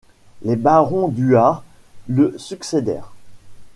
Les barons d'Huart, le succédèrent.